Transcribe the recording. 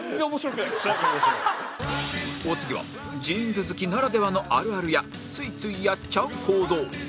お次はジーンズ好きならではのあるあるやついついやっちゃう行動